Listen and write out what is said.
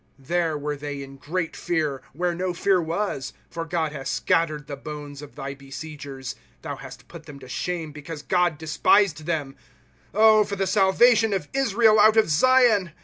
Google ' There were they in great fear, where no fear was ; For God has scattered the boues of thy besiegers. Thou hast put them to shame, because God despised them. ' Oh for the salvation of Israel out of Zion!